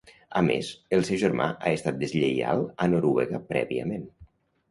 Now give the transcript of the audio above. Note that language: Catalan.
A més, el seu germà ha estat deslleial a Noruega prèviament.